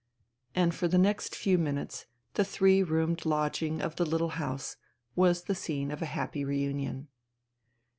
... And for the next few minutes the three roomed lodging of the little house was the scene of a happy reunion.